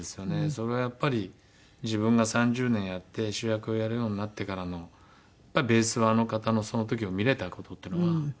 それはやっぱり自分が３０年やって主役をやるようになってからのベースはあの方のその時を見れた事っていうのはものすごい大きかったですね。